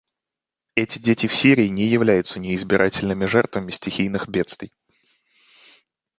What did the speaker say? Эти дети в Сирии не являются неизбирательными жертвами стихийных бедствий.